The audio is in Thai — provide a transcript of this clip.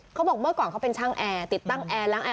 เขาบอกเมื่อก่อนเขาเป็นช่างแอร์ติดตั้งแอร์ล้างแอร์